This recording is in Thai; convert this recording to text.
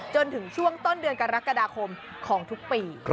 จนถึงช่วงต้นเดือนกรกฎาคมของทุกปี